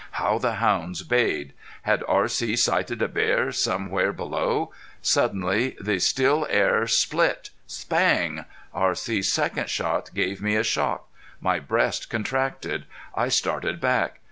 How the hounds bayed! Had R.C. sighted a bear somewhere below? Suddenly the still air split spang! R.C.'s second shot gave me a shock. My breast contracted. I started back.